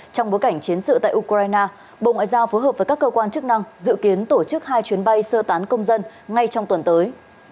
trong bối cảnh chiến sự tại ukraine bộ ngoại giao phối hợp với các cơ quan chức năng dự kiến tổ chức hai chuyến bay sơ tán công dân ngay trong tuần tới